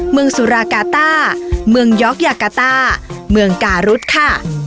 สุรากาต้าเมืองยอกยากาต้าเมืองการุดค่ะ